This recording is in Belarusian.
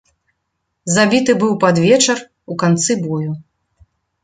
Забіты быў пад вечар, у канцы бою.